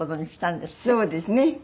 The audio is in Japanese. そうですね。